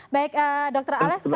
baik dokter alas